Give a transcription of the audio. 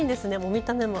見た目も。